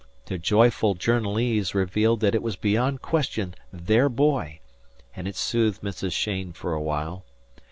The joyful journalese revealed that it was beyond question their boy, and it soothed Mrs. Cheyne for a while.